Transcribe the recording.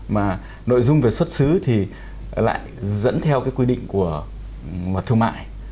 mà nội dung về xuất xứ thì lại dẫn theo cái quy định của thương mại